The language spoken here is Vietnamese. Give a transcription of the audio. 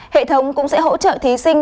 hệ thống cũng sẽ hỗ trợ thí sinh